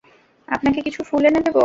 আপনাকে কিছু ফুল এনে দেব।